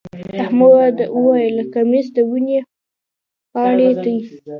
احمد وويل: کمیس د ونې پاڼې دی.